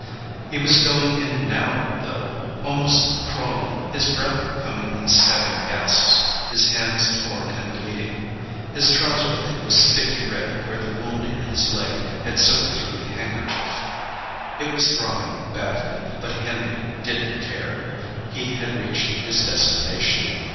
He was going in now though, almost crawling, his breath coming in stabbing gasps, his hands torn and bleeding. His trouser leg was sticky red where the wound in his leg had soaked through the handkerchief. It was throbbing badly but Henry didn't care. He had reached his destination.